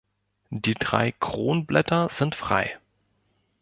Die drei Kronblätter sind frei.